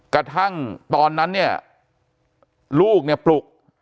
กระทั่งตอนนั้นเนี่ยลูกเนี่ยปลุก